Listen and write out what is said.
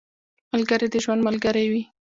ملګری د ژوند ملګری وي